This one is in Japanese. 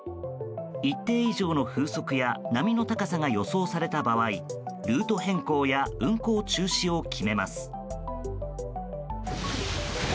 一定以上の風速や波の高さが予想された場合ルート変更や運航中止を決めます。